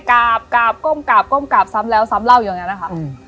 กราบกราบก้มกราบก้มกราบซ้ำแล้วซ้ำเล่าอย่างนั้นนะคะ